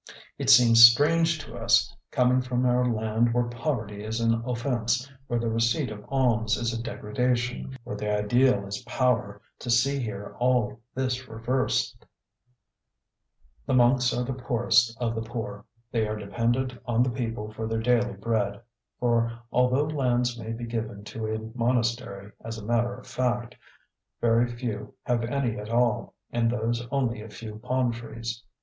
It seems strange to us, coming from our land where poverty is an offence, where the receipt of alms is a degradation, where the ideal is power, to see here all this reversed. The monks are the poorest of the poor, they are dependent on the people for their daily bread; for although lands may be given to a monastery as a matter of fact, very few have any at all, and those only a few palm trees.